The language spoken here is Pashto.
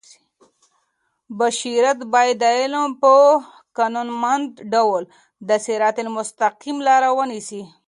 بشریت باید د علم په قانونمند ډول د صراط المستقیم لار ونیسي.